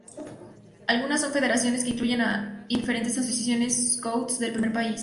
Algunas son federaciones que incluyen a diferentes asociaciones scouts del mismo país.